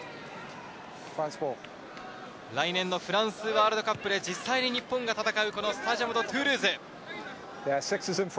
来年のフランスワールドカップで実際に日本が戦うこのスタジアム・ド・トゥールーズ。